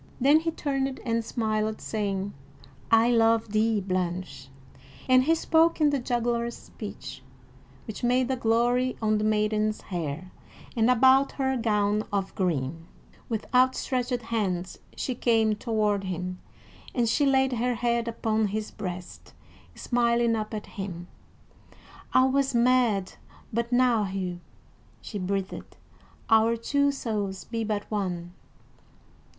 Then he turned and smiled, saying: "I love thee, Blanche," and he spoke in the juggler's speech, which made a glory on the maiden's hair, and about her gown of green. With outstretched hands she came toward him, and she laid her head upon his breast, smiling up at him. "I was mad but now, Hugh," she breathed. "Our two souls be but one."